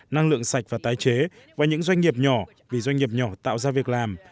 năng lượng sạch và tái chế và những doanh nghiệp nhỏ vì doanh nghiệp nhỏ tạo ra việc làm